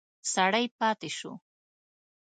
سړی پاتې شو.